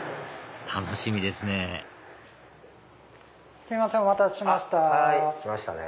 楽しみですねすいませんお待たせしました。来ましたね。